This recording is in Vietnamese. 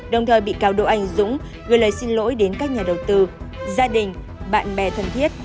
đồng thời bị cáo đỗ anh dũng gửi lời xin lỗi đến các nhà đầu tư gia đình bạn bè thân thiết